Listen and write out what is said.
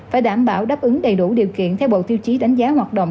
phải đảm bảo đáp ứng đầy đủ điều kiện theo bộ tiêu chí đánh giá hoạt động